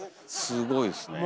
すごいですね。